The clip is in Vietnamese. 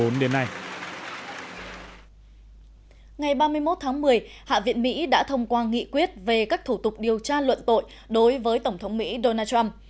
ngày ba mươi một tháng một mươi hạ viện mỹ đã thông qua nghị quyết về các thủ tục điều tra luận tội đối với tổng thống mỹ donald trump